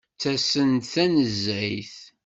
Ttasen-d tanezzayt.